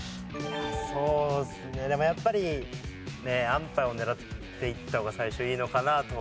そうですねでもやっぱり安パイを狙っていった方が最初いいのかなと。